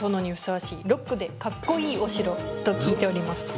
はいと聞いております